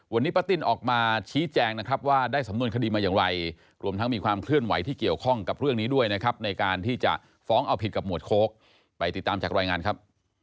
วันนี้ป้าติ้นออกมาชี้แจงนะครับว่าได้สำนวนคดีมาอย่างไรรวมทั้งมีความเคลื่อนไหวที่เกี่ยวข้องกับเรื่องนี้ด้วยนะครับในการที่จะฟ้องเอาผิดกับหมวดโค้กไปติดตามจากรายงานครับ